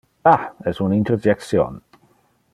'Ah' es un interjection.